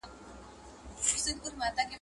په کورنۍ کې د ماشوم پرمختګ نه درول کېږي.